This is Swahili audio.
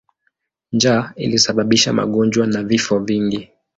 Njaa ilisababisha magonjwa na vifo vingi.